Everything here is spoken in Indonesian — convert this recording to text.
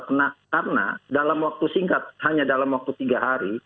karena dalam waktu singkat hanya dalam waktu tiga hari